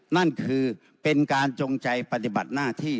นั่นคือเป็นการจงใจปฏิบัติหน้าที่